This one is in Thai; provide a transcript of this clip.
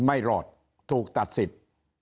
ไม่รอดถูกตัดสิทธิ์